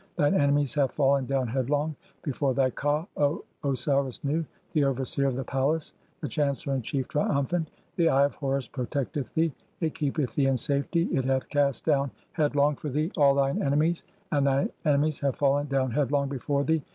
(i3) Thine enemies have fallen "down headlong before thy Ka, O Osiris Nu, the overseer of "the palace, the chancellor in chief, triumphant, (14) the Eye "of Horus protecteth thee, it keepeth thee in safety, it hath cast "down headlong for thee all thine enemies, and thine enemies "have fallen down headlong before thee.